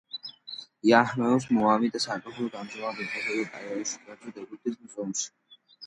იაჰმეს მუმია და სარკოფაგი ამჟამად იმყოფება კაიროში, კერძოდ ეგვიპტის მუზეუმში.